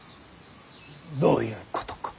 どういうことか。